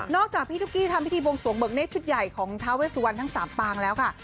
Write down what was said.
จากพี่ตุ๊กกี้ทำพิธีบวงสวงเบิกเศษชุดใหญ่ของท้าเวสวันทั้ง๓ปางแล้วค่ะ